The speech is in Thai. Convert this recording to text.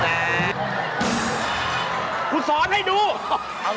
เอางี้เจอผู้หลักผู้ใหญ่แล้วสวัสดีครับ